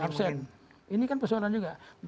absen ini kan persoalan juga